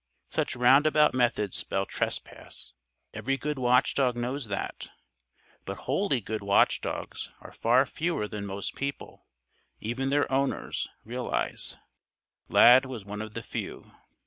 Such roundabout methods spell Trespass. Every good watchdog knows that. But wholly good watchdogs are far fewer than most people even their owners realize. Lad was one of the few.